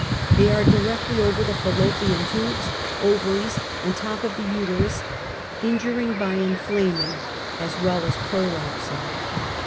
They are directly over the fallopian tubes, ovaries and top of the uterus injuring by in flaming, as well as prolapsing.